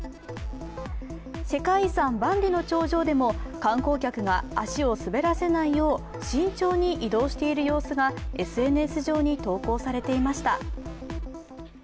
世界遺産・万里の長城でも観光客が足を滑らせないよう慎重に移動している様子がＳＮＳ上に投稿されていました。